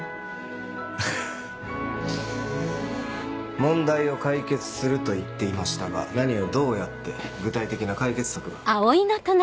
問題を解決すると言っていましたが何をどうやって具体的な解決策は？